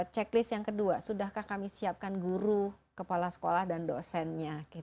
checklist yang kedua sudahkah kami siapkan guru kepala sekolah dan dosennya